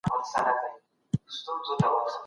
کمپيوټر سمارټ وسايل وصلوي.